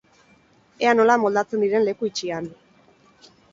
Ea nola moldatzen diren leku itxian!